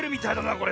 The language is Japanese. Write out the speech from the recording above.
これ。